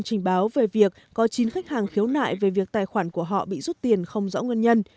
trình báo về việc có chín khách hàng khiếu nại về việc tài khoản của họ bị rút tiền không rõ nguyên nhân